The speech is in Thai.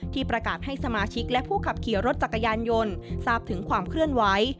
ประกาศให้สมาชิกและผู้ขับขี่รถจักรยานยนต์ทราบถึงความเคลื่อนไหว